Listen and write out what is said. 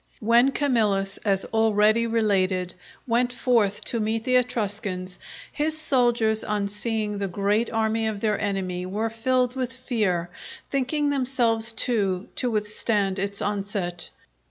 When Camillus, as already related, went forth to meet the Etruscans, his soldiers on seeing the great army of their enemy, were filled with fear, thinking themselves too to withstand its onset.